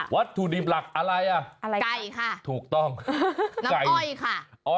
วัตถุดิบหลักอะไรน่ะถูกต้องไก่ค่ะน้ำอ้อยค่ะ